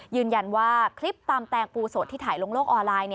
ยืนยันว่าคลิปตำแตงปูสดที่ถ่ายโลกออนไลน์